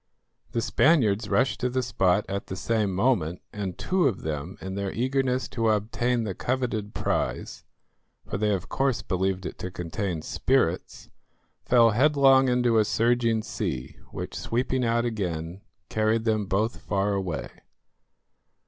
The Spaniards rushed to the spot at the same moment, and two of them, in their eagerness to obtain the coveted prize, for they of course believed it to contain spirits, fell headlong into a surging sea, which, sweeping out again, carried them both far away.